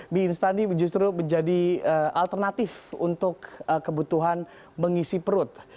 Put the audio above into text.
mie instan ini justru menjadi alternatif untuk kebutuhan mengisi perut